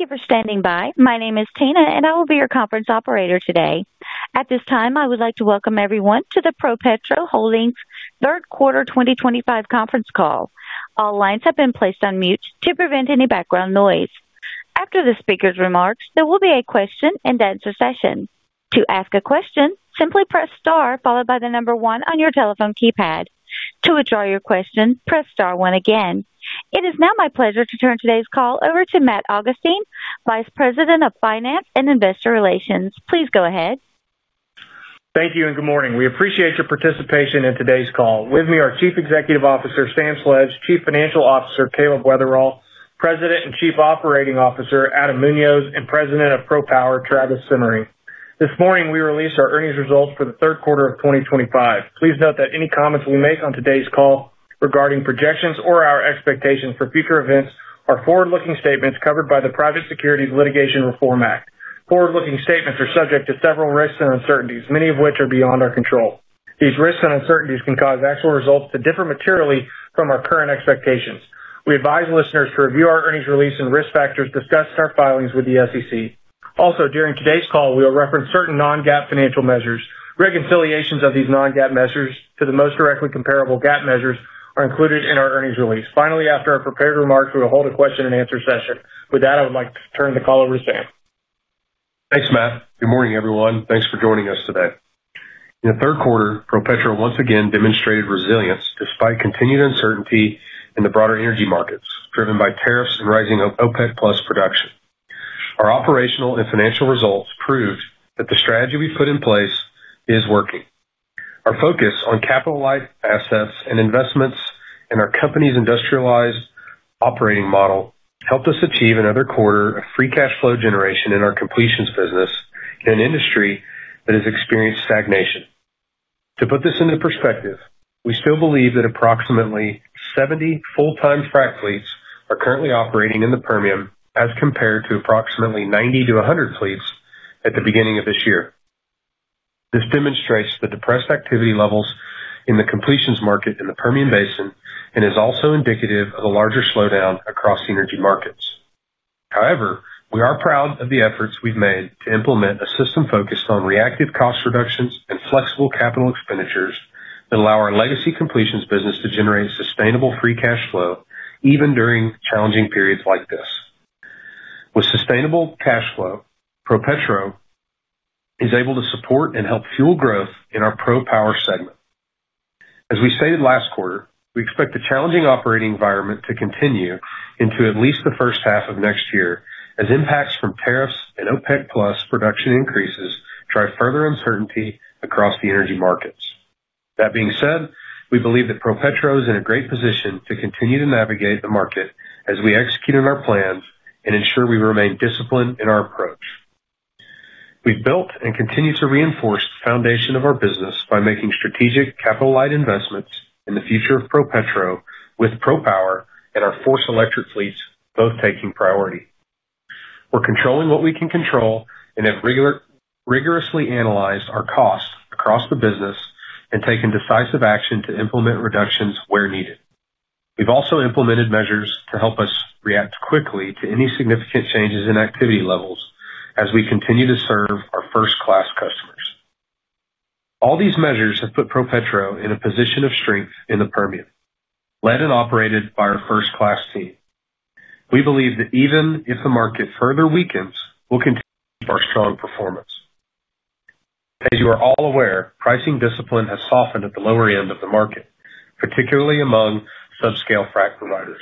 Thank you for standing by. My name is Tina and I will be your conference operator today. At this time I would like to welcome everyone to the ProPetro Holding third quarter 2025 conference call. All lines have been placed on mute to prevent any background noise. After the speaker's remarks, there will be a question and answer session. To ask a question, simply press star followed by the number one on your telephone keypad. To withdraw your question, press star one again. It is now my pleasure to turn today's call over to Matt Augustine, Vice President of Finance and Investor Relations. Please go ahead. Thank you, and good morning. We appreciate your participation in today's call. With me are Chief Executive Officer Sam Sledge, Chief Financial Officer Caleb Weatherl, President and Chief Operating Officer Adam Muñoz, and President of PROPWR Travis Simmering. This morning we released our earnings results for the third quarter of 2025. Please note that any comments we make on today's call regarding projections or our expectations for future events or are forward-looking statements covered by the Private Securities Litigation Reform Act. Forward-looking statements are subject to several risks and uncertainties, many of which are beyond our control. These risks and uncertainties can cause actual results to differ materially from our current expectations. We advise listeners to review our earnings release and risk factors discussed in our filings with the SEC. Also, during today's call, we will reference certain non-GAAP financial measures. Reconciliations of these non-GAAP measures to the most directly comparable GAAP measures are included in our earnings release. Finally, after our prepared remarks, we will hold a question and answer session. With that, I would like to turn the call over to Sam. Thanks, Matt. Good morning everyone. Thanks for joining us today. In the third quarter, ProPetro once again demonstrated resilience despite continued uncertainty in the broader energy markets driven by tariffs and rising OPEC plus production. Our operational and financial results proved that the strategy we put in place is working. Our focus on capital light assets and investments in our company's industrialized operating model helped us achieve another quarter of free cash flow generation in our completions business in an industry that has experienced stagnation. To put this into perspective, we still believe that approximately 70 full-time frac fleets are currently operating in the Permian as compared to approximately 90-100 fleets at the beginning of this year. This demonstrates the depressed activity levels in the completions market in the Permian Basin and is also indicative of a larger slowdown across synergy markets. However, we are proud of the efforts we've made to implement a system focused on reactive cost reductions and flexible capital expenditures that allow our legacy completions business to generate sustainable free cash flow even during challenging periods like this. With sustainable cash flow, ProPetro is able to support and help fuel growth in our PROPWR segment. As we stated last quarter, we expect the challenging operating environment to continue into at least the first half of next year as impacts from tariffs and OPEC plus production increases drive further uncertainty across the energy markets. That being said, we believe that ProPetro is in a great position to continue to navigate the market as we execute on our plans and ensure we remain disciplined in our approach. We've built and continue to reinforce the foundation of our business by making strategic capital light investments in the future of ProPetro, with PROPWR and our FORCE Electric fleets both taking priority. We're controlling what we can control and have rigorously analyzed our costs across the business and taken decisive action to implement reductions where needed. We've also implemented measures to help us react quickly to any significant changes in activity levels as we continue to serve our first-class customers. All these measures have put ProPetro in a position of strength in the Permian, led and operated by our first-class team. We believe that even if the market further weakens, we'll continue our strong performance. As you are all aware, pricing discipline has softened at the lower end of the market, particularly among subscale frac providers.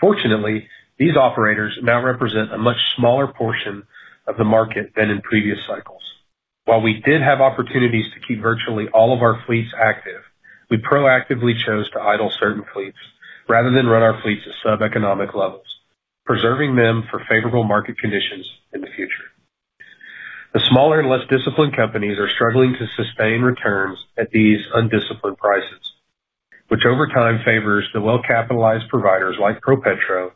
Fortunately, these operators now represent a much smaller portion of the market than in previous cycles. While we did have opportunities to keep virtually all of our fleets active, we proactively chose to idle certain fleets rather than run our fleets at sub-economic levels, preserving them for favorable market conditions in the future. The smaller and less disciplined companies are struggling to sustain returns at these undisciplined prices, which over time favors the well-capitalized providers like ProPetro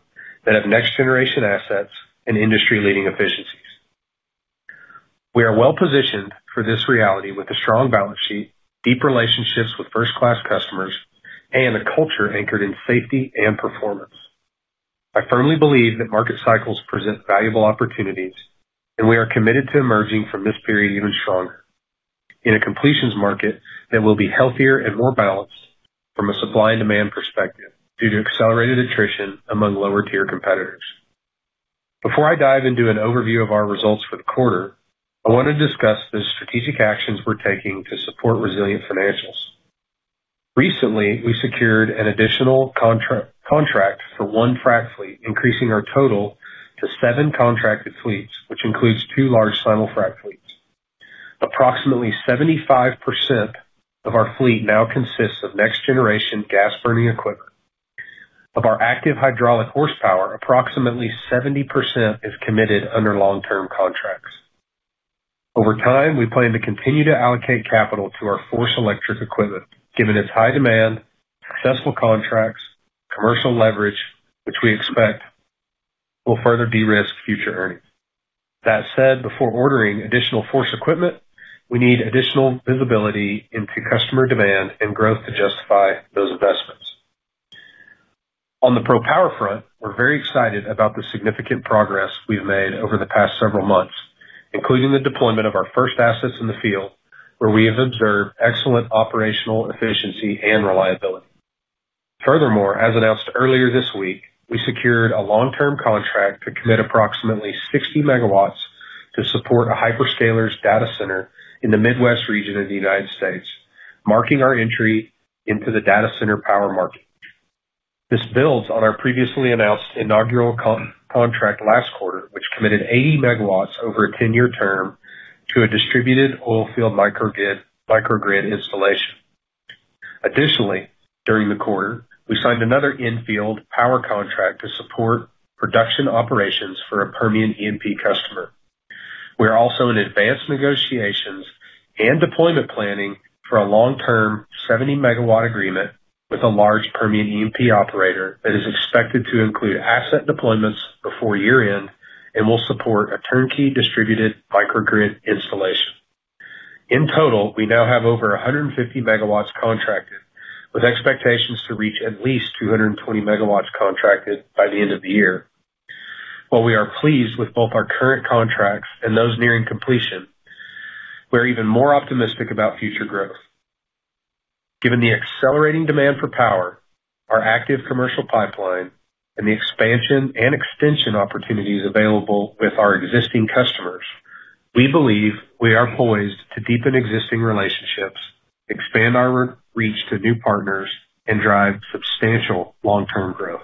that have next generation assets and industry-leading efficiencies. We are well positioned for this reality with a strong balance sheet, deep relationships with first-class customers, and a culture anchored in safety and performance. I firmly believe that market cycles present valuable opportunities, and we are committed to emerging from this period even stronger in a completions market that will be healthier and more balanced from a supply and demand perspective due to accelerated attrition among lower tier competitors. Before I dive into an overview of our results for the quarter, I want to discuss the strategic actions we're taking to support resilient financials. Recently, we secured an additional contract for one frac fleet, increasing our total to seven contracted fleets, which includes two large simul frac fleets. Approximately 75% of our fleet now consists of next generation gas-burning equipment. Of our active hydraulic horsepower, approximately 70% is committed under long-term contracts. Over time, we plan to continue to allocate capital to our FORCE Electric equipment given its high demand, successful contracts, and commercial leverage, which we expect will further de-risk future earnings. That said, before ordering additional FORCE equipment, we need additional visibility into customer demand and growth to justify those investments. On the PROPWR front, we're very excited about the significant progress we've made over the past several months, including the deployment of our first assets in the field where we have observed excellent operational efficiency and reliability. Furthermore, as announced earlier this week, we secured a long-term contract to commit approximately 60 MW to support a hyperscale data center in the Midwest region of the United States, marking our entry into the data center power market. This builds on our previously announced inaugural contract last quarter, which committed 80 MW over a 10-year term to a distributed oil field microgrid installation. Additionally, during the quarter, we signed another infield power contract to support production operations for a Permian E&P customer. We are also in advanced negotiations and deployment planning for a long-term 70 MW agreement with a large Permian E&P operator that is expected to include asset deployments before year end and will support a turnkey distributed microgrid installation. In total, we now have over 150 MW contracted with expectations to reach at least 220 MW contracted by the end of the year. While we are pleased with both our current contracts and those nearing completion, we're even more optimistic about future growth. Given the accelerating demand for power, our active commercial pipeline, and the expansion and extension opportunities available with our existing customers, we believe we are poised to deepen existing relationships, expand our reach to new partners, and drive substantial long-term growth.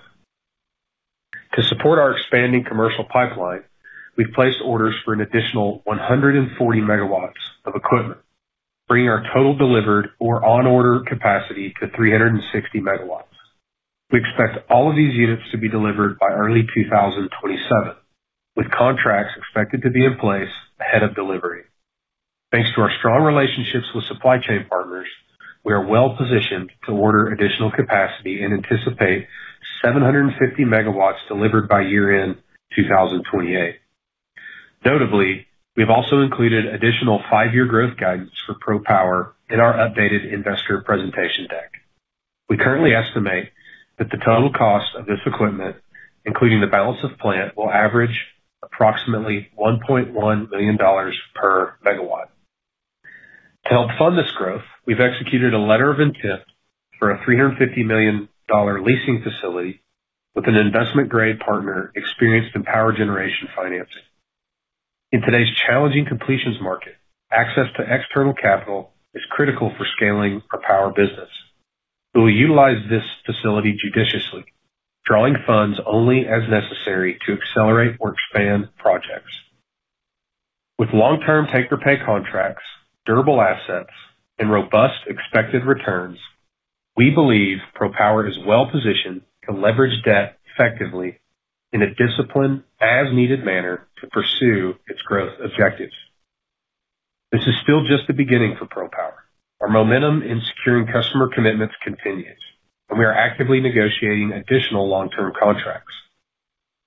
To support our expanding commercial pipeline, we've placed orders for an additional 140 MW of equipment, bringing our total delivered or on-order capacity to 360 MW. We expect all of these units to be delivered by early 2027 with contracts expected to be in place ahead of delivery. Thanks to our strong relationships with supply chain partners, we are well positioned to order additional capacity and anticipate 750 MW delivered by year end 2028. Notably, we've also included additional five-year growth guidance for PROPWR in our updated investor presentation deck. We currently estimate that the total cost of this equipment, including the balance of plant, will average approximately $1.1 million per megawatt. To help fund this growth, we've executed a letter of intent for a $350 million leasing facility with an investment-grade partner experienced in power generation financing. In today's challenging completions market, access to external capital is critical for scaling our power business. We will utilize this facility judiciously, drawing funds only as necessary to accelerate or expand projects. With long-term take-or-pay contracts, durable assets, and robust expected returns, we believe PROPWR is well positioned to leverage debt effectively in a disciplined, as-needed manner to pursue its growth objectives. This is still just the beginning for PROPWR. Our momentum in securing customer commitments continues, and we are actively negotiating additional long-term contracts.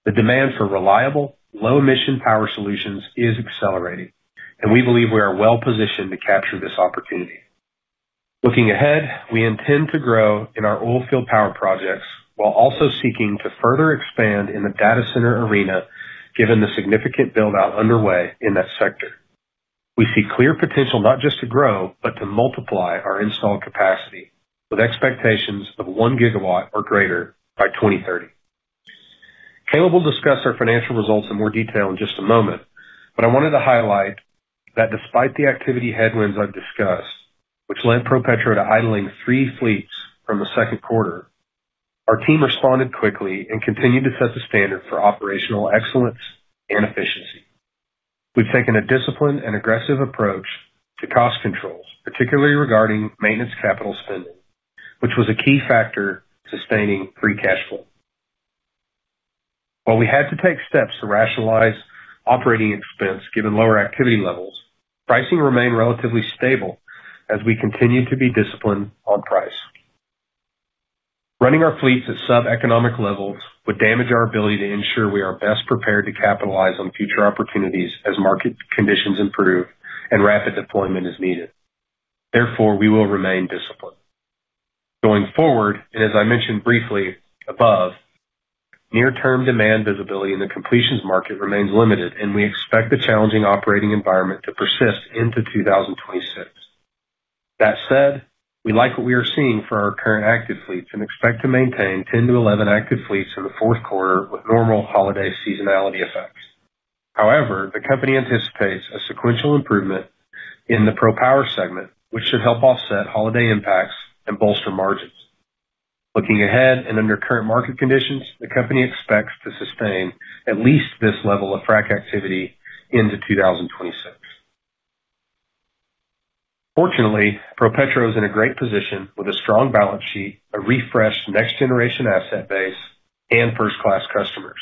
The demand for reliable, low-emission power solutions is accelerating, and we believe we are well positioned to capture this opportunity. Looking ahead, we intend to grow in our oilfield power projects while also seeking to further expand in the data center arena. Given the significant build out underway in that sector, we see clear potential not just to grow, but to multiply our installed capacity with expectations of one gigawatt or greater by 2030. Caleb will discuss our financial results in more detail in just a moment, but I wanted to highlight that despite the activity headwinds I've discussed which led ProPetro to idling three fleets from the second quarter, our team responded quickly and continued to set the standard for operational excellence and efficiency. We've taken a disciplined and aggressive approach to cost controls, particularly regarding maintenance capital spending, which was a key factor sustaining free cash flow. While we had to take steps to rationalize operating expense given lower activity levels, pricing remained relatively stable. As we continue to be disciplined on price, running our fleets at sub-economic levels would damage our ability to ensure we are best prepared to capitalize on future opportunities as market conditions improve and rapid deployment is needed. Therefore, we will remain disciplined going forward. As I mentioned briefly above, near-term demand visibility in the completions market remains limited and we expect the challenging operating environment to persist into 2026. That said, we like what we are seeing for our current active fleets and expect to maintain 10-11 active fleets in the fourth quarter with normal holiday seasonality effects. However, the company anticipates a sequential improvement in the PROPWR segment, which should help offset holiday impacts and bolster margins. Looking ahead and under current market conditions, the company expects to sustain at least this level of frac activity into 2026. Fortunately, ProPetro is in a great position with a strong balance sheet, a refreshed next generation asset base, and first class customers.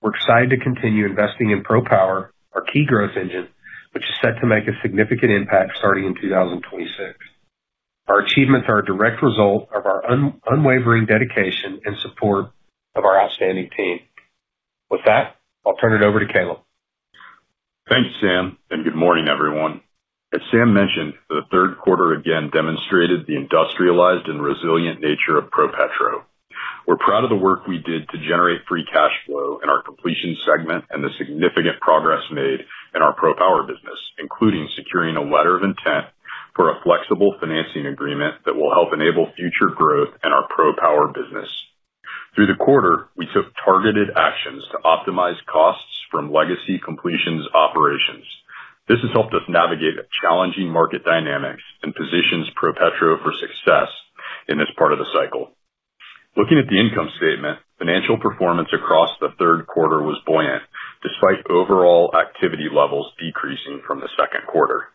We're excited to continue investing in PROPWR, our key growth engine, which is set to make a significant impact starting in 2026. Our achievements are a direct result of our unwavering dedication and support of our outstanding team. With that, I'll turn it over to Caleb. Thank you Sam and good morning everyone. As Sam mentioned, the third quarter again demonstrated the industrialized and resilient nature of ProPetro. We're proud of the work we did to generate free cash flow in our completions segment and the significant progress made in our PROPWR business, including securing a letter of intent for a flexible financing agreement that will help enable future growth in our PROPWR business. Through the quarter, we took targeted actions to optimize costs from legacy completions operations. This has helped us navigate challenging market dynamics and positions ProPetro for success in this part of the cycle. Looking at the income statement, financial performance across the third quarter was buoyant despite overall activity levels decreasing from the second quarter.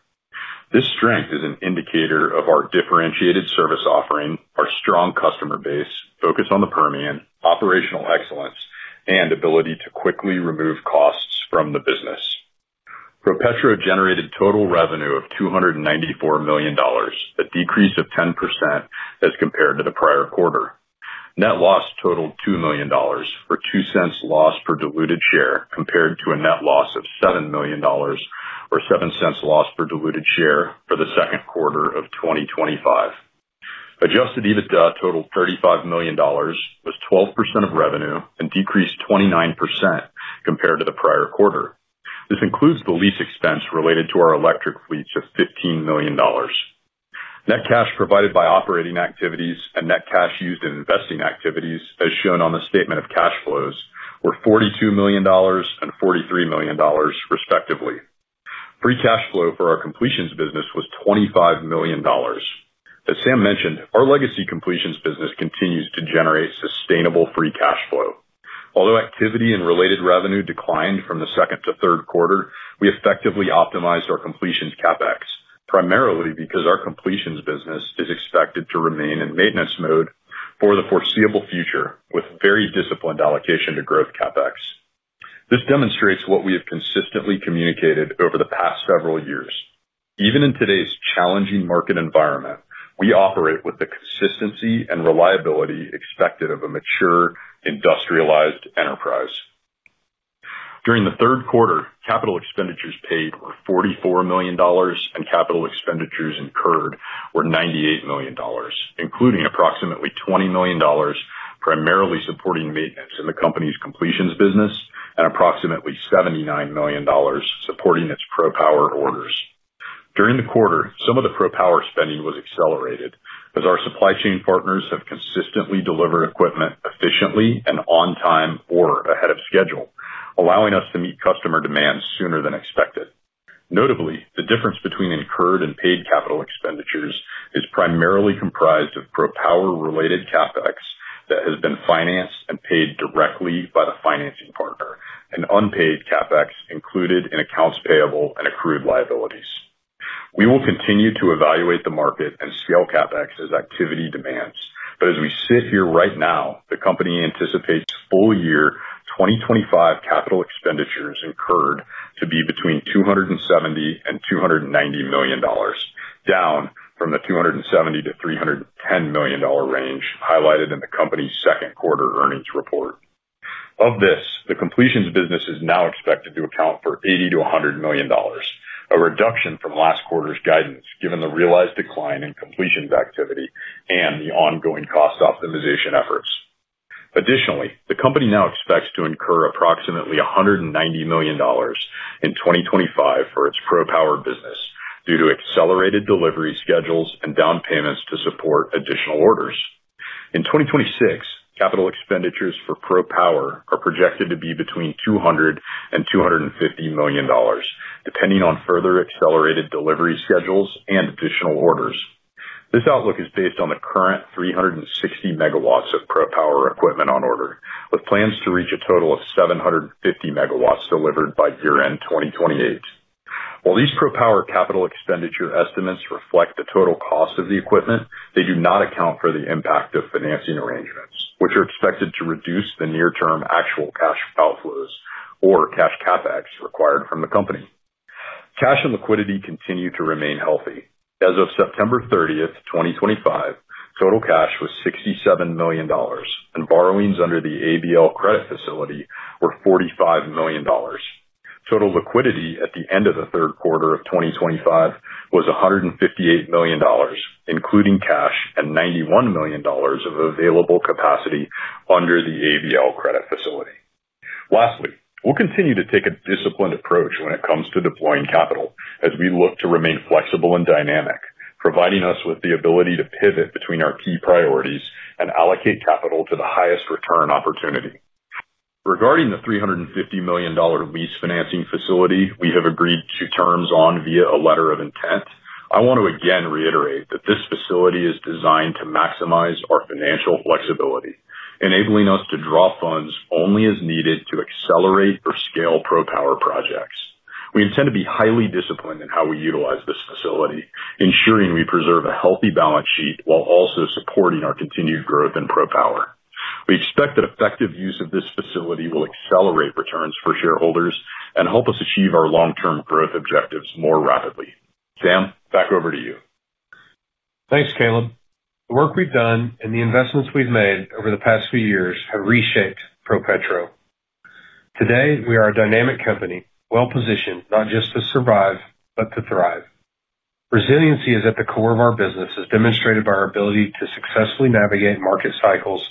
This strength is an indicator of our differentiated service offering, our strong customer base, focus on the Permian, operational excellence, and ability to quickly remove costs from the business. ProPetro generated total revenue of $294 million, a decrease of 10% as compared to the prior quarter. Net loss totaled $2 million or $0.02 loss per diluted share compared to a net loss of $7 million or $0.07 loss per diluted share for the second quarter of 2025. Adjusted EBITDA totaled $35 million, was 12% of revenue and decreased 29% compared to the prior quarter. This includes the lease expense related to our electric fleet, just $15 million. Net cash provided by operating activities and net cash used in investing activities as shown on the statement of cash flows were $42 million and $43 million respectively. Free cash flow for our completions business was $25 million. As Sam mentioned, our legacy completions business continues to generate sustainable free cash flow. Although activity and related revenue declined from the second to third quarter, we effectively optimized our completions CapEx primarily because our completions business is expected to remain in maintenance mode for the foreseeable future with very disciplined allocation to growth CapEx. This demonstrates what we have consistently communicated over the past several years. Even in today's challenging market environment, we operate with the consistency and reliability expected of a mature industrialized enterprise. During the third quarter, capital expenditures paid were $44 million and capital expenditures incurred $98 million, including approximately $20 million primarily supporting maintenance in the company's completions business and approximately $79 million supporting its PROPWR orders. During the quarter, some of the PROPWR spending was accelerated as our supply chain partners have consistently delivered equipment efficiently and on time or ahead of schedule, allowing us to meet customer demand sooner than expected. Notably, the difference between incurred and paid capital expenditures is primarily comprised of PROPWR-related CapEx that has been financed and paid directly by the financing partner and unpaid CapEx included in accounts payable and accrued liabilities. We will continue to evaluate the market and scale CapEx as activity demands, but as we sit here right now, the company anticipates full year 2025 capital expenditures incurred to be between $270 million and $290 million, down from the $270 million to $310 million range highlighted in the company's second quarter earnings report. Of this, the completions business is now expected to account for $80 million-$100 million, a reduction from last quarter's guidance given the realized decline in completions activity and the ongoing cost optimization efforts. Additionally, the company now expects to incur approximately $190 million in 2025 for its PROPWR business due to accelerated delivery and down payments to support additional orders. In 2026, capital expenditures for PROPWR are projected to be between $200 million and $250 million, depending on further accelerated delivery schedules and additional orders. This outlook is based on the current 360 MW of PROPWR equipment on order, with plans to reach a total of 750 MW delivered by year end 2028. While these PROPWR capital expenditure estimates reflect the total cost of the equipment, they do not account for the impact of financing arrangements which are expected to reduce the near-term actual cash outflows or cash CapEx required from the company. Cash and liquidity continue to remain healthy. As of September 30th, 2025, total cash was $67 million and borrowings under the ABL Credit Facility were $45 million. Total liquidity at the end of the third quarter of 2025 was $158 million, including cash and $91 million of available capacity under the ABL Credit Facility. Lastly, we'll continue to take a disciplined approach when it comes to deploying capital as we look to remain flexible and dynamic, providing us with the ability to pivot between our key priorities and allocate capital to the highest return opportunity. Regarding the $350 million lease financing facility we have agreed to terms on via a letter of intent, I want to again reiterate that this facility is designed to maximize our financial flexibility, enabling us to draw funds only as needed to accelerate or scale PROPWR projects. We intend to be highly disciplined in how we utilize this facility, ensuring we preserve a healthy balance sheet while also supporting our continued growth in PROPWR. We expect that effective use of this facility will accelerate returns for shareholders and help us achieve our long term growth objectives more rapidly. Sam, back over to you. Thanks, Caleb. The work we've done and the investments we've made over the past few years have reshaped ProPetro. Today we are a dynamic company, well positioned not just to survive, but to thrive. Resiliency is at the core of our business as demonstrated by our ability to successfully navigate market cycles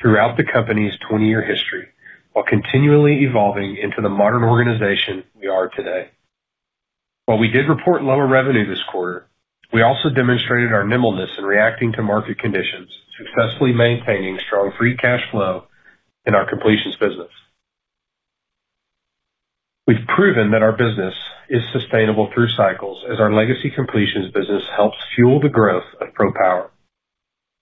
throughout the company's 20-year history while continually evolving into the modern organization we are today. While we did report lower revenue this quarter, we also demonstrated our nimbleness in reacting to market conditions, successfully maintaining strong free cash flow in our completions business. We've proven that our business is sustainable through cycles as our legacy completions business helps fuel the growth of PROPWR.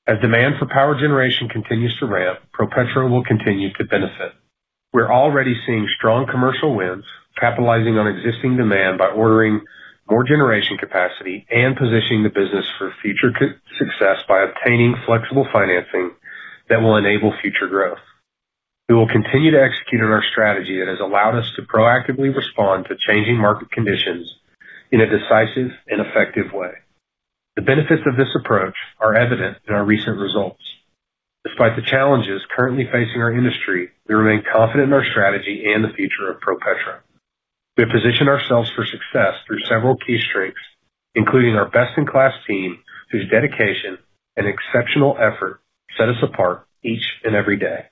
As demand for power generation continues to ramp, ProPetro will continue to benefit. We're already seeing strong commercial wins, capitalizing on existing demand by ordering more generation capacity and positioning the business for future success. By obtaining flexible financing that will enable future growth, we will continue to execute on our strategy that has allowed us to proactively respond to changing market conditions in a decisive and effective way. The benefits of this approach are evident in our recent results. Despite the challenges currently facing our industry, we remain confident in our strategy and the future of ProPetro. We have positioned ourselves for success through several key strengths, including our best-in-class team whose dedication and exceptional effort set us apart each and every day.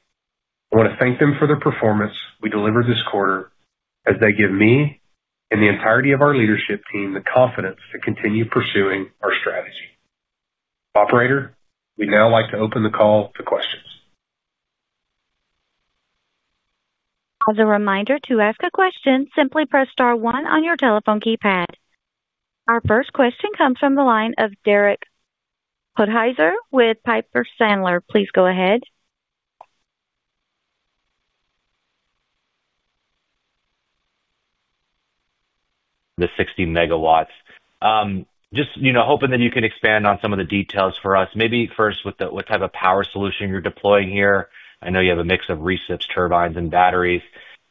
I want to thank them for their performance we delivered this quarter as they give me and the entirety of our leadership team the confidence to continue pursuing our strategy. Operator, we'd now like to open the call to questions. As a reminder, to ask a question, simply press star one on your telephone keypad. Our first question comes from the line of Derek Podhaizer with Piper Sandler. Please go ahead. The 60 MW. Just hoping that you can expand on some of the details for us. Maybe first with what type of power solution you're deploying here. I know you have a mix of reciprocating engines, turbines, and batteries,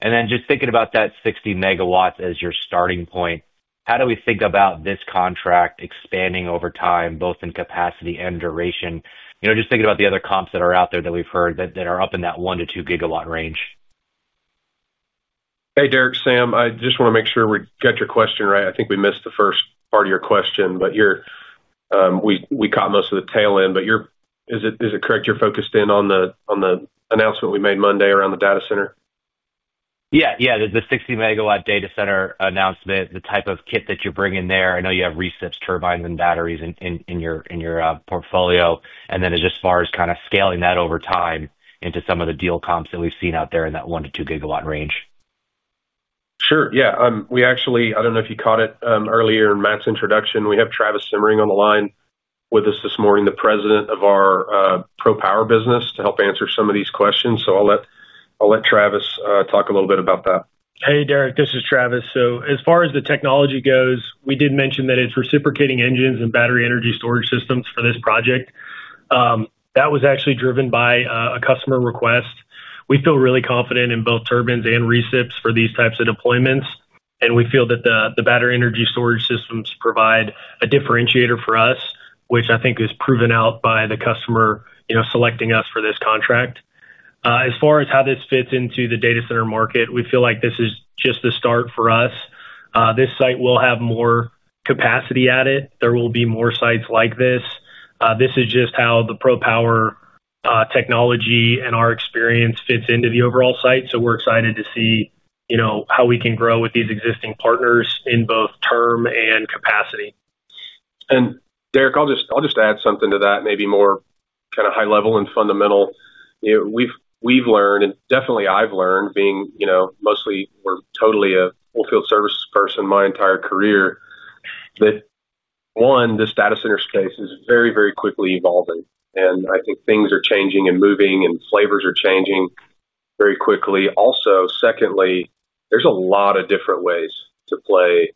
and then just thinking about that 60 MW as your starting point. How do we think about this contract expanding over time, both in capacity and duration? Just thinking about the other comps that are out there that we've heard that are up in that one to two gigawatt range. Hey, Derek. Sam, I just want to make sure we get your question right. I think we missed the first part of your question, but we caught most of the tail end. Is it correct you're focused in on the announcement we made Monday around the data center? Yeah, yeah. There's the 60 MW data center announcement. The type of kit that you bring in there. I know you have reciprocating engines, turbines, and batteries in your portfolio. As far as kind of scaling that over time into some of the deal comps that we've seen out there in that one to two gigawatt range. Sure. Yeah. We actually, I don't know if you caught it earlier in Matt's introduction. We have Travis Simmering on the line with us this morning, the President of our PROPWR business, to help answer some of these questions. I'll let Travis talk a little bit about that. Hey Derek, this is Travis. As far as the technology goes, we did mention that it's reciprocating engines and battery energy storage systems for this project that was actually driven by a customer request. We feel really confident in both turbines and recips for these types of deployments, and we feel that the battery energy storage systems provide a differentiator for us, which I think is proven out by the customer selecting us for this contract. As far as how this fits into the data center market, we feel like this is just the start for us. This site will have more capacity at it, there will be more sites like this. This is just how the PROPWR technology and our experience fits into the overall site. We're excited to see how we can grow with these existing partners in both term and capacity. Derek, I'll just add something to that, maybe more kind of high level and fundamental. You know, we've learned and definitely I've learned being, you know, mostly or totally a full field services person my entire career that one, this data center space is very, very quickly evolving. I think things are changing and moving, and flavors are changing very quickly also. Secondly, there's a lot of different ways to play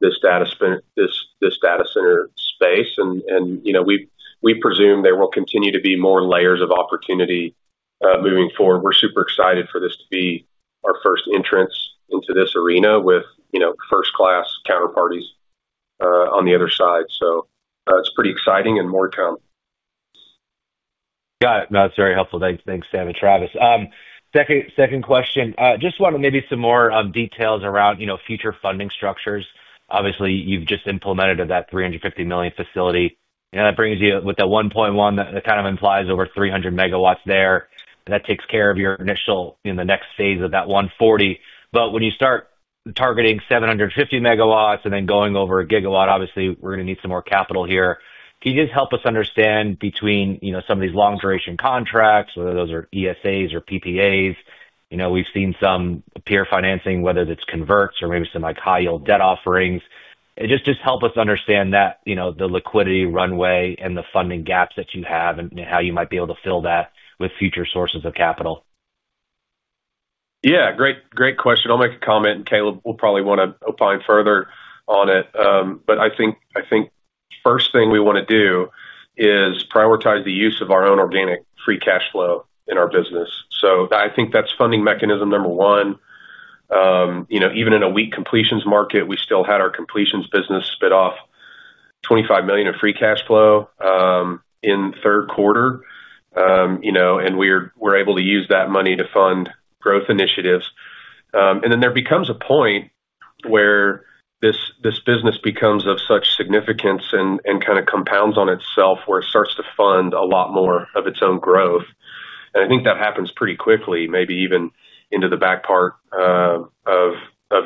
this data center space, and we presume there will continue to be more layers of opportunity moving forward. We're super excited for this to be our first entrance into this arena with, you know, first class counterparties on the other side. It's pretty exciting and more to come. Got it. No, it's very helpful. Thanks. Thanks Sam and Travis, second question. Just wanted maybe some more details around, you know, future funding structures. Obviously you've just implemented that $350 million facility, that brings you with the $1.1 billion. That kind of implies over 300 MW there. That takes care of your initial in the next phase of that 140 MW. When you start targeting 750 MW and then going over a gigawatt, obviously we're going to need some more capital here. Can you just help us understand between some of these long duration contracts, whether those are ESAs or PPAs, we've seen some peer financing, whether that's converts or maybe some high yield debt offerings. Just help us understand the liquidity runway and the funding gaps that you have and how you might be able to fill that with future sources of capital. Yeah, great question. I'll make a comment and Caleb will probably want to opine further on it. I think first thing we want to do is prioritize the use of our own organic free cash flow in our business. I think that's funding mechanism number one. Even in a weak completions market we still had our completions business spit off $25 million of free cash flow in the third quarter, and we're able to use that money to fund growth initiatives. There becomes a point where this business becomes of such significance and kind of compounds on itself where it starts to fund a lot more of its own growth. I think that happens pretty quickly, maybe even into the back part of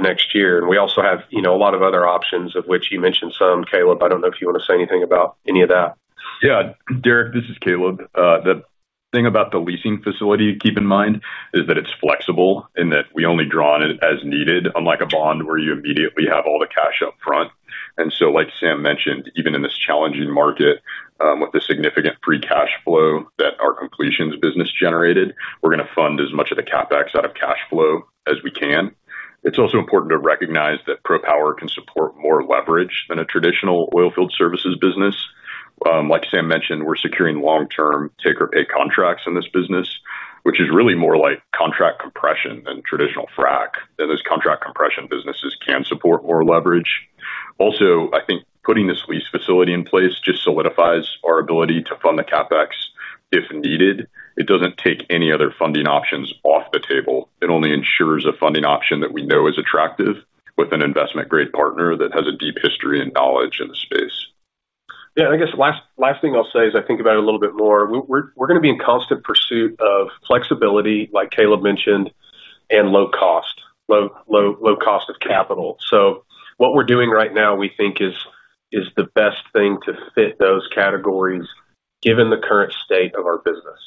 next year. We also have a lot of other options of which you mentioned some. Caleb, I don't know if you want to say anything about any of that. Yeah, Derek, this is Caleb. The thing about the leasing facility, keep in mind is that it's flexible in that we only draw on it as needed, unlike a bond where you immediately have all the cash up front. Like Sam mentioned, even in this challenging market with the significant free cash flow that our completions business generated, we're going to fund as much of the CapEx out of cash flow as we can. It's also important to recognize that PROPWR can support more leverage than a traditional oilfield services business. Like Sam mentioned, we're securing long-term take or pay contracts in this business, which is really more like contract compression than traditional frac, and those contract compression businesses can support more leverage also. I think putting this lease facility in place just solidifies our ability to fund the CapEx if needed. It doesn't take any other funding options off the table. It only ensures a funding option that we know is attractive with an investment-grade partner that has a deep history and knowledge in the space. I guess the last thing I'll say is I think about it a little bit more. We're going to be in constant pursuit of flexibility like Caleb mentioned and low cost, low, low, low cost of capital. What we're doing right now we think is the best thing to fit those categories given the current state of our business.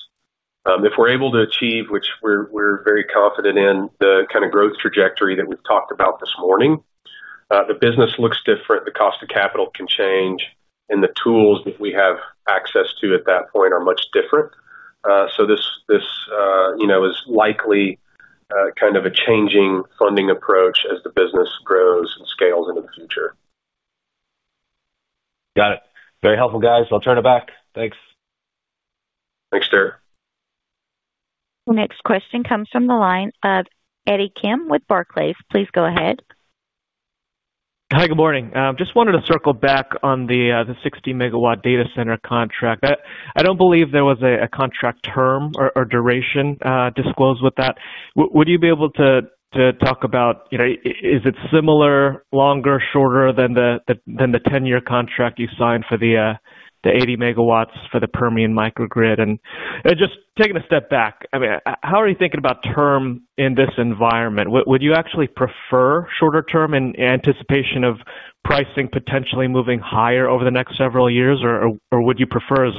If we're able to achieve, which we are very confident in the kind of growth trajectory that we've talked about this morning. The business looks different, the cost of capital can change, and the tools that we have access to at that point are much different. This is likely kind of a changing funding approach as the business grows and scales into the future. Got it. Very helpful, guys. I'll turn it back. Thanks. Thanks Derek. Next question comes from the line of Eddie Kim with Barclays. Please go ahead. Hi, good morning. Just wanted to circle back on the 60 MW data center contract. I don't believe there was a contract term or duration disclosed with that. Would you be able to talk about is it similar, longer, shorter than the 10 year contract you signed for the 80 MW for the Permian microgrid? Taking a step back, how are you thinking about term in this environment? Would you actually prefer shorter term in anticipation of pricing potentially moving higher over the next several years or would you prefer as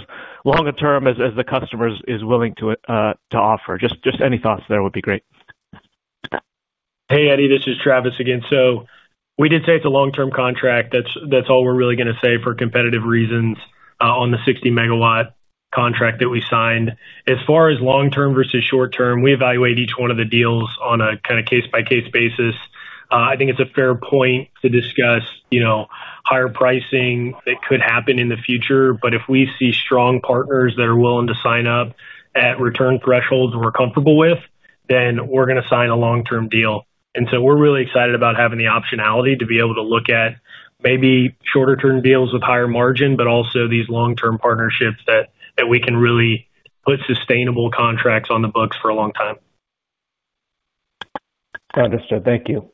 long term as the customer is willing to offer? Any thoughts there would be great. Hey Eddie, this is Travis again. We did say it's a long term contract. That's all we're really going to say for competitive reasons on the 60 MW contract that we signed, as far as long term versus short term, we evaluate each one of the deals on a case by case basis. I think it's a fair point to discuss higher pricing that could happen in the future. If we see strong partners that are willing to sign up at return thresholds we're comfortable with, then we're going to sign a long term deal. We're really excited about having the optionality to be able to look at maybe shorter term deals with higher margin, but also these long term partnerships that we can really put sustainable contracts on the books for a long time. Understood, thank you.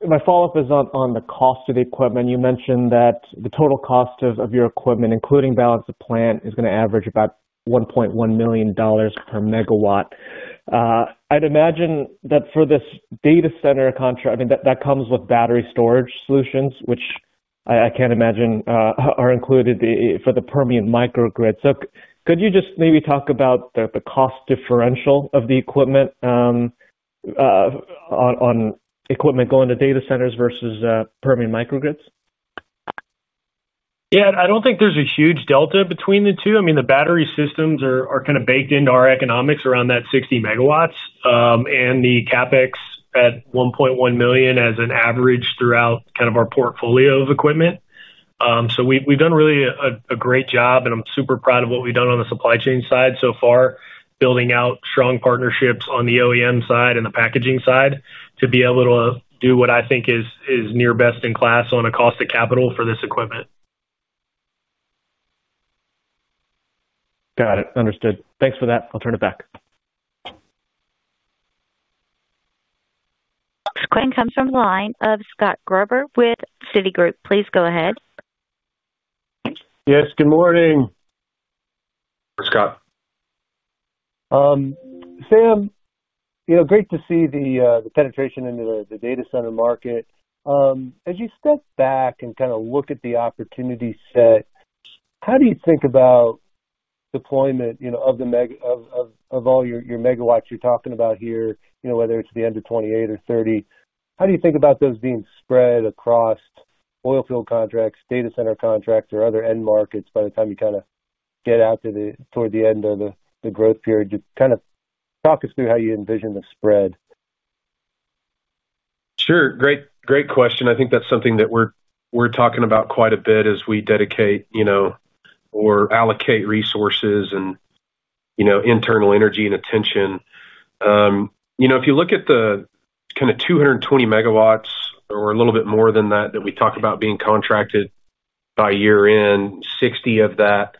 My follow up is on the cost of the equipment. You mentioned that the total cost of your equipment including balance of plant is going to average about $1.1 million per megawatt. I'd imagine that for this data center contract, I mean that comes with battery energy storage systems storage solutions, which I can't imagine are included for the Permian microgrid. Could you just maybe talk about the cost differential of the equipment on equipment going to data centers versus Permian microgrids? I don't think there's a huge delta between the two. The battery systems are kind of baked into our economics around that 60 MW and the CapEx at $1.1 million as an average throughout our portfolio of equipment. We've done really a great job and I'm super proud of what we've done on the supply chain side so far, building out strong partnerships on the OEM side and the packaging side to be able to do what I think is near best in class on a cost of capital for this equipment. Got it. Understood. Thanks for that. I'll turn it back. Next question comes from the line of Scott Grover with Citigroup. Please go ahead. Yes, good morning. Scott. Sam, great to see the penetration into the data center market as you step back and kind of look at the opportunity set. How do you think about deployment of all your megawatts you're talking about here, whether it's the end of 2028 or 2030, how do you think about those being spread across oil field contracts, data center contracts, or other end markets by the time you get out toward the end of the growth period? Just talk us through how you envision the spread. Sure, great, great question. I think that's something that we're talking about quite a bit as we dedicate or allocate resources and internal energy and attention. If you look at the kind of 220 MW or a little bit more than that that we talk about being contracted by year end, 60% of that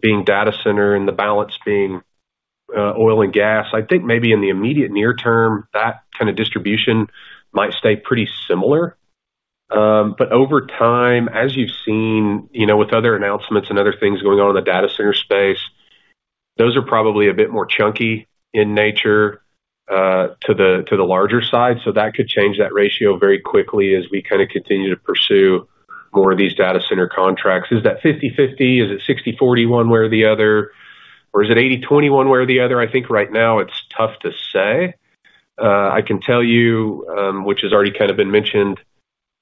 being data center and the balance being oil and gas, I think maybe in the immediate near term that kind of distribution might stay pretty similar. Over time, as you've seen with other announcements and other things going on in the data center space, those are probably a bit more chunky in nature to the larger side. That could change that ratio very quickly as we continue to pursue more of these data center contracts. Is that 50/50? Is it 60/40 one way or the other, or is it 80/20 one way or the other? I think right now it's tough to say. I can tell you, which has already kind of been mentioned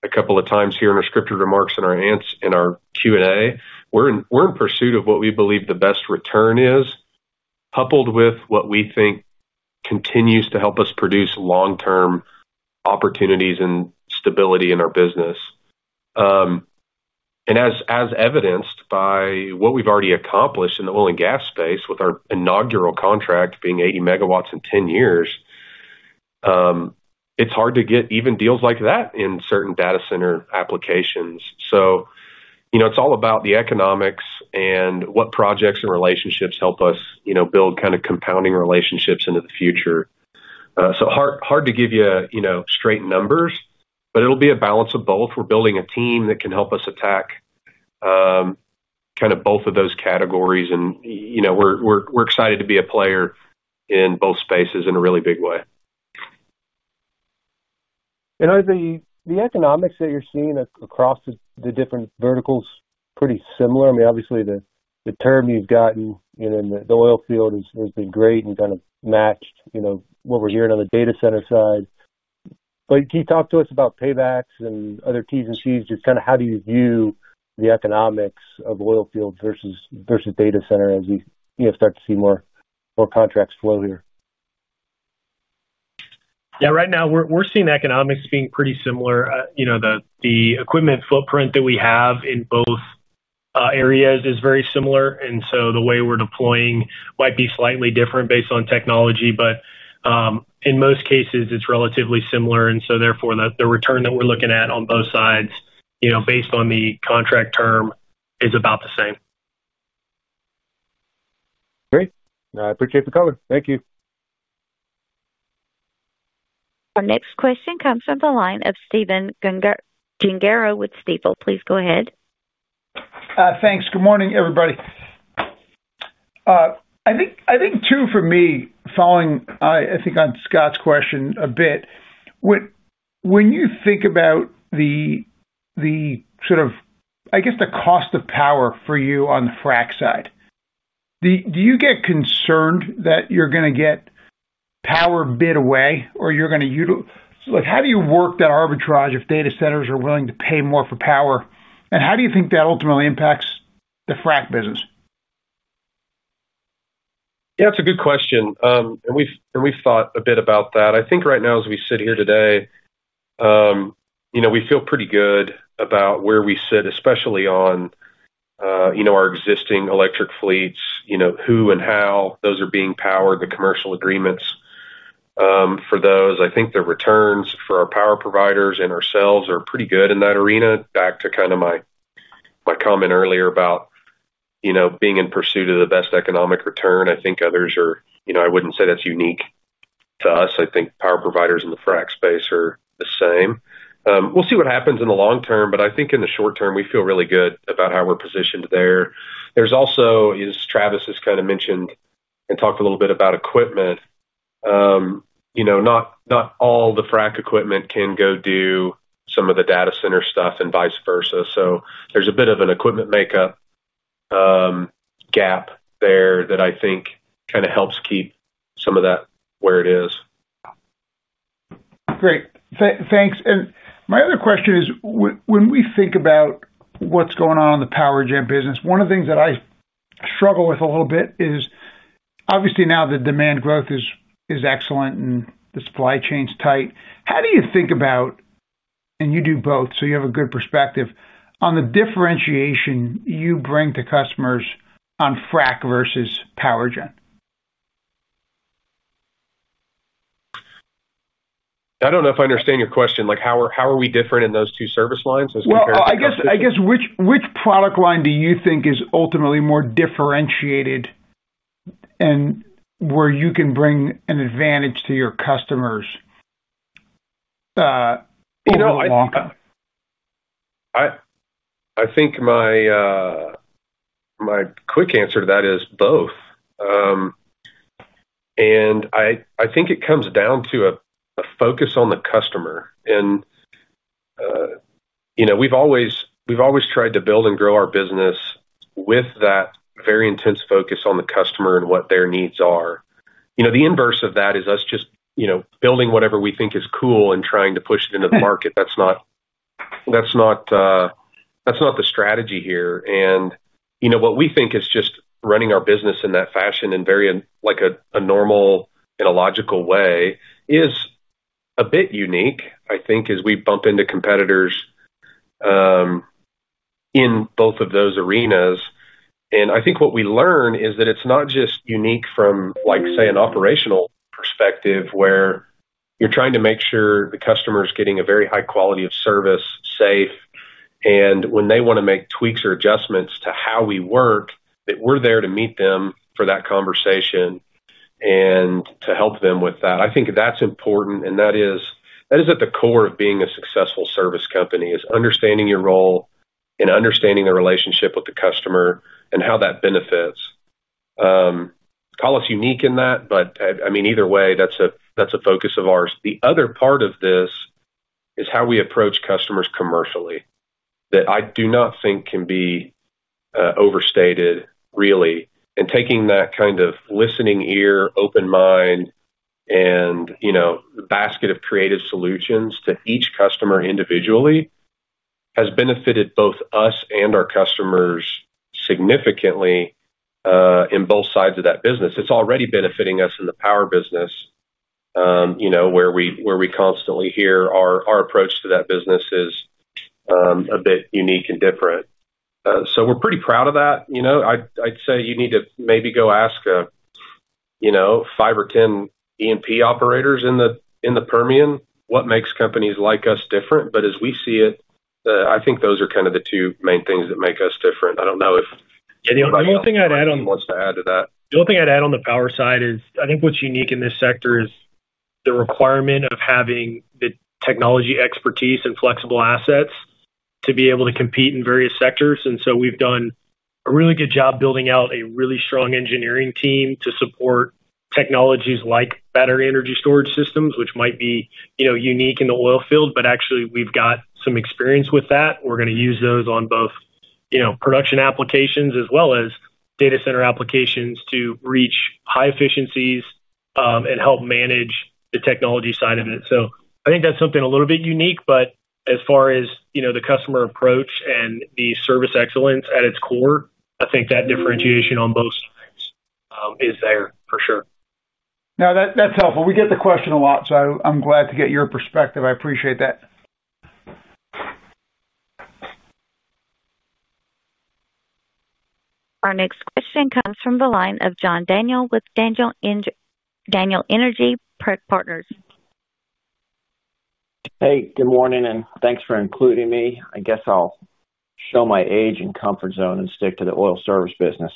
a couple of times here in our scripted remarks and our answers in our Q and A. We're in pursuit of what we believe the best return is coupled with what we think continues to help us produce long-term opportunities and stability in our business, as evidenced by what we've already accomplished in the oil and gas space with our inaugural contract being 80 MW in 10 years. It's hard to get even deals like that in certain data center applications. You know, it's all about the economics and what projects and relationships help us build kind of compounding relationships into the future. Hard to give you straight numbers. It'll be a balance of both we're building a team that can help us attack kind of both of those categories, and we're excited to be a player in both spaces in a really big way. Are the economics that you're seeing across the different verticals pretty similar? I mean, obviously the term you've gotten in the oil field has been great and kind of matched what we're hearing on the data center side. Can you talk to us about paybacks and other T's and C's, just kind of how do you view the economics of oil field versus data center as you start to see more contracts flow here? Yeah, right now we're seeing economics being pretty similar. The equipment footprint that we have in both areas is very similar, and the way we're deploying might be slightly different based on technology, but in most cases it's relatively similar. Therefore, the return that we're looking at on both sides, you know, based on the contract term, is about the same. Great. I appreciate the color. Thank you. Our next question comes from the line of Stephen Gengaro with Stifel. Please go ahead. Thanks. Good morning, everybody. For me, following on Scott's question a bit, when you think about the sort of, I guess, the cost of power for you on the frac side, do you get concerned that you're going to get power bid away or you're going to—how do you work that arbitrage if data centers are willing to pay more for power? How do you think that ultimately impacts the frac business? Yeah, it's a good question and we've thought a bit about that. I think right now as we sit here today, you know, we feel pretty good about where we sit, especially on our existing electric fleets, you know, who and how those are being powered, the commercial agreements for those. I think the returns for our power providers and ourselves are pretty good in that arena. Back to my comment earlier about being in pursuit of the best economic return, I think others are. I wouldn't say that's unique to us. I think power providers in the frac spaces are the same. We'll see what happens in the long term, but I think in the short term, we feel really good about how we're positioned there. There's also, as Travis has mentioned and talked a little bit about equipment, you know, not all the frac equipment can go do some of the data center stuff and vice versa. There's a bit of an equipment makeup gap there that I think kind of helps keep some of that where it is. Great, thanks. My other question is, when we think about what's going on in the power gen business, one of the things that I struggle with a little bit is obviously now the demand growth is excellent and the supply chain's tight. How do you think about, and you do both, so you have a good perspective on the differentiation you bring to customers on frack versus power gen. I don't know if I understand your question. How are we different in those two service lines? I guess. Which product line do you think is ultimately more differentiated and where you can bring an advantage to your customers? I think my quick answer to that is both. I think it comes down to a focus on the customer. We've always tried to build and grow our business with that very intense focus on the customer and what their needs are. The inverse of that is us just building whatever we think is cool and trying to push it into the market. That's not. That's not. That's not the strategy here. What we think is just running our business in that fashion, in a very normal and logical way, is a bit unique, I think, as we bump into competitors in both of those arenas. I think what we learn is that it's not just unique from, like, say, an operational perspective where you're trying to make sure the customer is getting a very high quality of service, safe, and when they want to make tweaks or adjustments to how we work, that we're there to meet them for that conversation and to help them with that. I think that's important. That is at the core of being a successful service company, understanding your role and understanding the relationship with the customer and how that benefits. Call us unique in that, but either way, that's a focus of ours. The other part of this is how we approach customers commercially that I do not think it can be overstated, really. Taking that kind of listening ear, open mind, and, you know, basket of creative solutions to each customer individually has benefited both us and our customers significantly in both sides of that business. It's already benefiting us in the power business, where we constantly hear our approach to that business is a bit unique and different. We're pretty proud of that. I'd say you need to maybe go ask five or 10 E&P operators in the Permian what makes companies like us different. As we see it, I think those are kind of the two main things that make us different. I don't know if he wants to add to that. The only thing I'd add on the power side is I think what's unique in this sector is the requirement of having the technology expertise and flexible assets to be able to compete in various sectors. We've done a really good job building out a really strong engineering team to support technologies like battery energy storage systems, which might be unique in the oil field, but actually we've got some experience with that. We're going to use those on both production applications as well as data center applications to reach high efficiencies and help manage the technology side of it. I think that's something a little bit unique. As far as the customer approach and the service excellence at its core, I think that differentiation on both sides is there for sure. That's helpful. We get the question a lot, so I'm glad to get your perspective. I appreciate that. Our next question comes from the line of John Daniel with Daniel Energy Partners. Hey, good morning and thanks for including me. I guess I'll show my age and comfort zone and stick to the oil service business.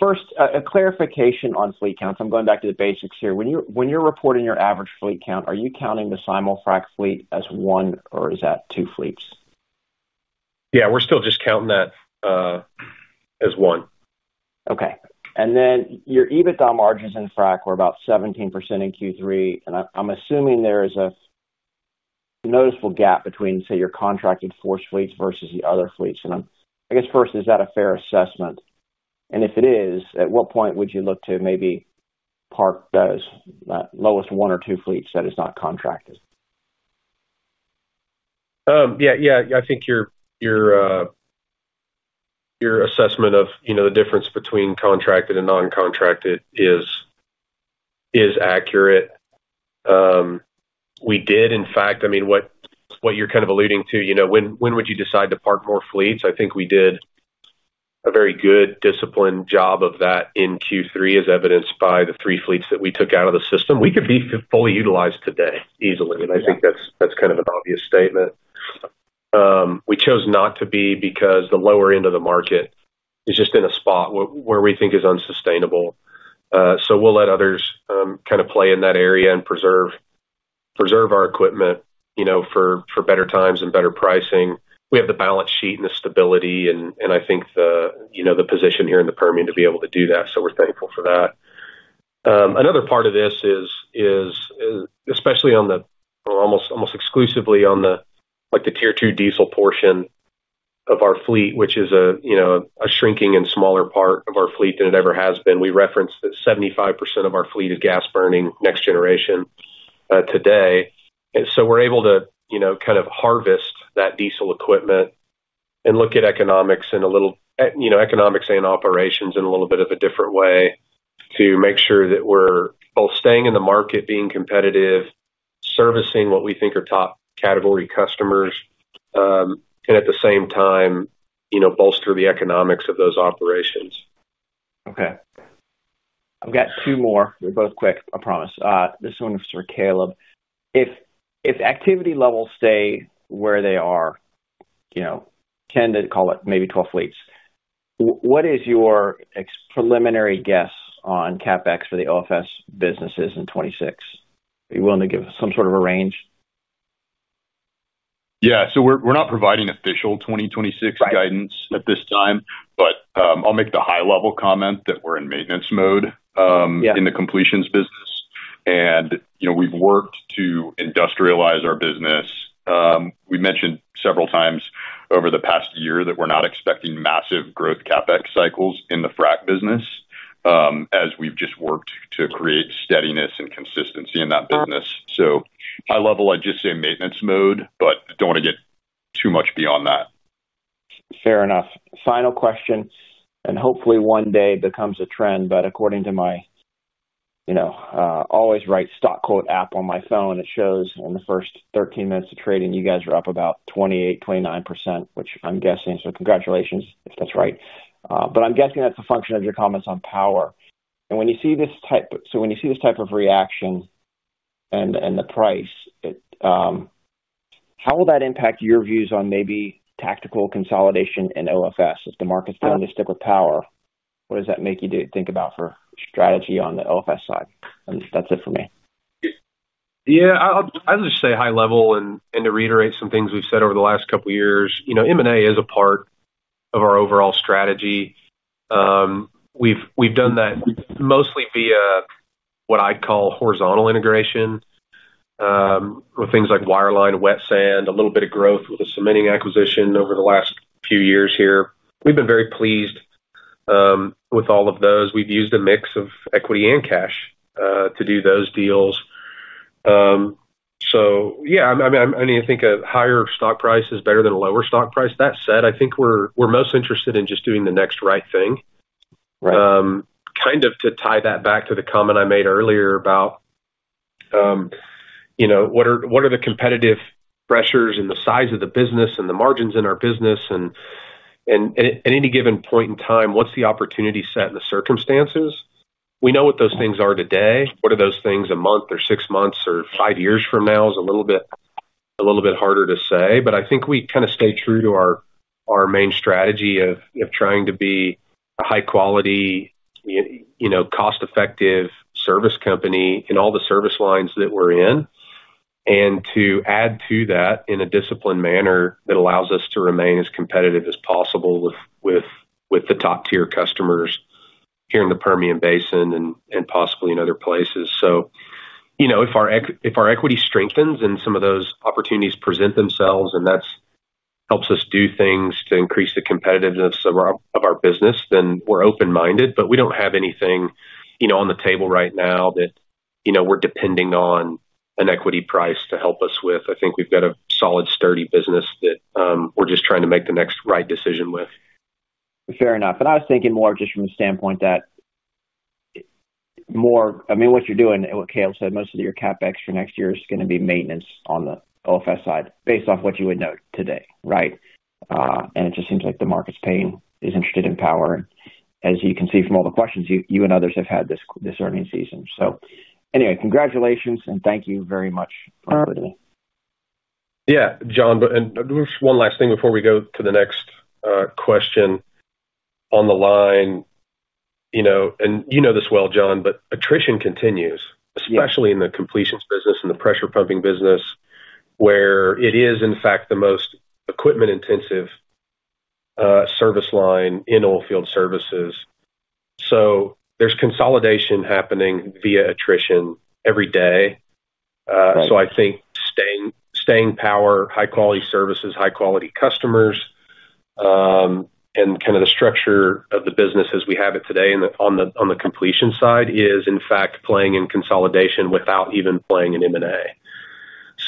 First, a clarification on fleet counts. I'm going back to the basics here. When you're reporting your average fleet count, are you counting the SimulFrac fleet as one or is that two fleets? Yeah, we're still just counting that as one. Okay. Your EBITDA margins in frac were about 17% in Q3, and I'm assuming there is a noticeable gap between, say, your contracted FORCE fleets versus the other fleets. I guess first, is that a fair assessment? If it is, at what point would you look to maybe park those lowest one or two fleets that is not contracted? Yeah, yeah. I think. Your assessment of, you know, the difference between contracted and non-contracted is accurate. We did, in fact, I mean, what you're kind of alluding to, you know, when would you decide to park more fleets? I think we did a very good, disciplined job of that in Q3, as evidenced by the three fleets that we took out of the system. We could be fully utilized today easily. I think that's kind of an obvious statement. We chose not to be because the lower end of the market is just in a spot where we think is unsustainable. We'll let others kind of play in that area and preserve our equipment for better times and better pricing. We have the balance sheet and the stability and I think the position here in the Permian to be able to do that we're thankful for that. Another part of this is especially on the, almost exclusively on the Tier 2 diesel portion of our fleet, which is a shrinking and smaller part of our fleet than it ever has been. We referenced that 75% of our fleet is gas burning next generation today. We're able to kind of harvest that diesel equipment and look at economics and operations in a little bit of a different way to make sure that we're both staying in the market, being competitive, servicing what we think are top category customers and at the same time, bolster the economics of those operations. Okay, I've got two more. They're both quick, I promise. This one is for Caleb. If activity levels stay where they are, you know, 10 to call it maybe 12 fleets, what is your preliminary guess on CapEx for the OFS businesses in 2026, are you willing to give some sort of a range? Yeah. We're not providing official 2026 guidance at this time, but I'll make the high-level comment that we're in maintenance mode in the completions business. We've worked to industrialize our business. We've mentioned several times over the past year that we're not expecting massive growth CapEx cycles in the frac business as we've just worked to create steadiness and consistency in that business. I just say maintenance mode but don't want to get too much beyond that. Fair enough. Final question and hopefully one day becomes a trend. According to my, you know, always right stock quote app on my phone, it shows in the first 13 minutes of trading you guys are up about 28%, 29% which I'm guessing so congratulations if that's right. I'm guessing that's a function of your comments on power and when you see this type. When you see this type of reaction and the price, how will that impact your views on maybe tactical consolidation and OFS? If the market's telling you to stick with power, what does that make you do? Think about for strategy on the OFS side? That's it for me. Yeah. I'll just say high level. To reiterate some things we've said over the last couple years, you know, M&A is a part of our overall strategy. We've done that mostly via what I call horizontal integration with things like wireline, wet sand, a little bit of growth with a cementing acquisition over the last few years here, we've been very pleased with all of those. We've used a mix of equity and cash to do those deals. I think a higher stock price is better than a lower stock price. That said, I think we're most interested in just doing the next right thing, kind of to tie that back to the comment I made earlier about. You know. What are the competitive pressures in the size of the business, the margins in our business and at any given point in time, what's the opportunity set in the circumstances? We know what those things are today. What are those things a month or six months or five years from now is a little bit harder to say. I think we kind of stay true to our main strategy of trying to be a high-quality, cost-effective service company in all the service lines that we're in and to add to that in a disciplined manner that allows us to remain as competitive as possible with the top-tier customers here in the Permian Basin and possibly in other places. If our equity strengthens and some of those opportunities present themselves and that helps us do things to increase the competitiveness of our business, then we're open-minded. We don't have anything on the table right now that we're depending on an equity price to help us with. I think we've got a solid, sturdy business that we're just trying to make the next right decision with. Fair enough. I was thinking more just from the standpoint that. What more? You're doing what Caleb said, most of your CapEx for next year is going to be maintenance on the OFS side based off what you would know today. Right. It just seems like the market's paying, is interested in power as you can see from all the questions you and others have had this earnings season. Anyway, congratulations and thank you very much for including me. Yeah, John. One last thing before we go to the next question on the line. You know this well, John, but attrition continues, especially in the completions business and the pressure pumping business, where it is in fact the most equipment intensive service line in oilfield services. There's consolidation happening via attrition every day. I think staying power, high quality services, high quality customers, and kind of the structure of the business as we have it today on the completion side is in fact playing in consolidation without even playing an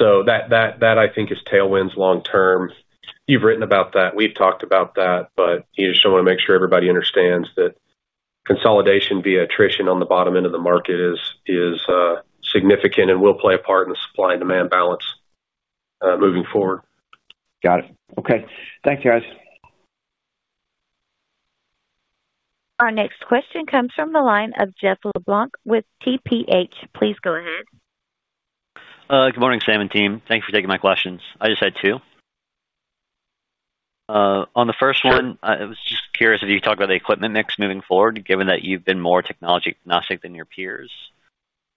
M&A. That, I think, is tailwinds long term. You've written about that, we've talked about that. I just want to make sure everybody understands that consolidation via attrition on the bottom end of the market is significant and will play a part in the supply and demand balance moving forward. Got it. Okay, thanks guys. Our next question comes from the line of Jeff LeBlanc with TPH. Please go ahead. Good morning, Sam and team. Thank you for taking my questions. I just had two. On the first one, I was just curious if you talk about the equipment mix moving forward, given that you've been more technology agnostic than your peers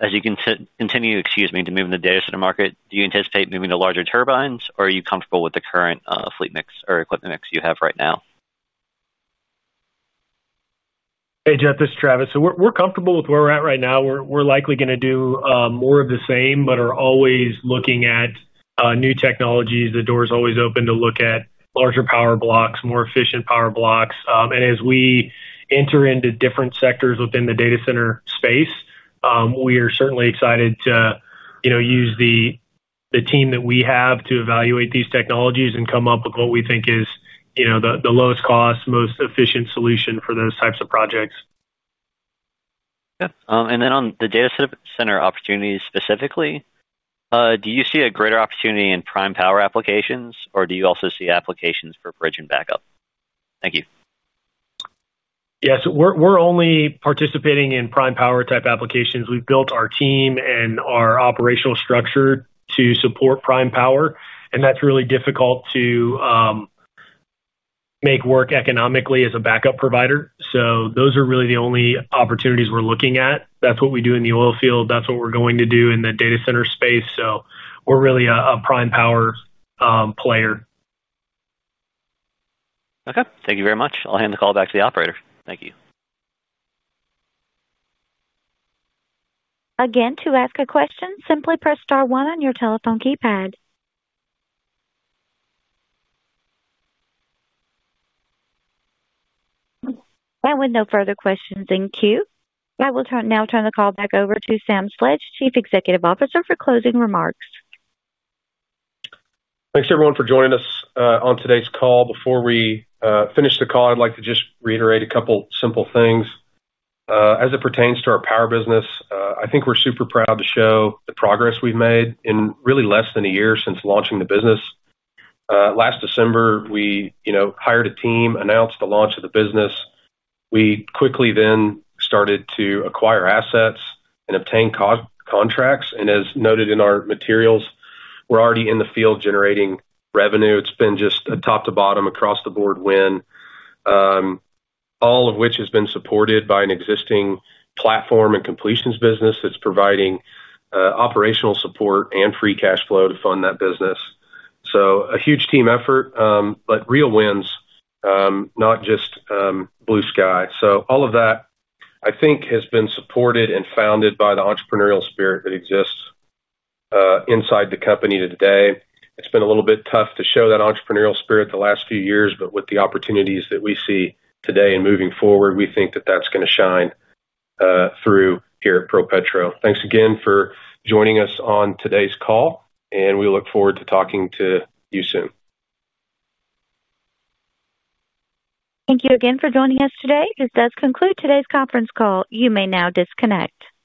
as you continue to move in the data center market. Do you anticipate moving to larger turbines or are you comfortable with the current fleet mix or equipment mix you have right now? Hey, Jeff, this is Travis. We're comfortable with where we're at right now. We're likely going to do more of the same, but are always looking at new technologies. The door is always open to look at larger power blocks, more efficient power blocks. As we enter into different sectors within the data center space, we are certainly excited to use the team that we have to evaluate these technologies and come up with what we think is the lowest cost, most efficient solution for those types of projects. On the data center opportunities specifically, do you see a greater opportunity in prime power applications, or do you also see applications for bridge and backup? Thank you. Yes, we're only participating in prime power type applications. We've built our team and our operational structure to support prime power. That's really difficult to make work economically as a backup provider, those are really the only opportunities we're looking at. That's what we do in the oil field, that's what we're going to do in the data center space. We're really a prime power player. Okay, thank you very much. I'll hand the call back to the operator. Thank you. To ask a question, simply press star one on your telephone keypad. With no further questions in queue, I will now turn the call back over to Sam Sledge, Chief Executive Officer, for closing remarks. Thanks everyone for joining us on today's call. Before we finish the call, I'd like to just reiterate a couple simple things as it pertains to our power business. I think we're super proud to show the progress we've made in really less than a year since launching the business. Last December we hired a team, announced the launch of the business. We quickly then started to acquire assets and obtain contracts, and as noted in our materials, we're already in the field generating revenue. It's been just a top to bottom across the board win, all of which has been supported by an existing platform and completions business that's providing operational support and free cash flow to fund that business. A huge team effort, but real wins, not just blue sky. All of that I think has been supported and founded by the entrepreneurial spirit that exists inside the company today. It's been a little bit tough to show that entrepreneurial spirit the last few years, but with the opportunities that we see today and moving forward, we think that that's going to shine through here at ProPetro. Thanks again for joining us on today's call and we look forward to talking to you soon. Thank you again for joining us today. This does conclude today's conference call. You may now disconnect.